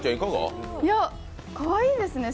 かわいいですね。